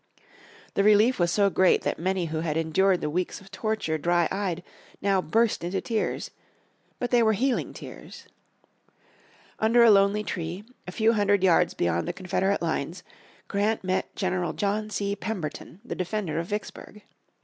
The relief was so great that many who had endured the weeks of torture dry eyed now burst into tears. But they were healing tears. Under a lonely tree, a few hundred yards beyond the Confederate lines, Grant met General John C. Pemberton, the defender of Vicksburg.